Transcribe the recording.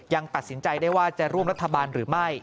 ยังตัดสินใจได้ว่าจะร่วมรัฐบาลหรือไม่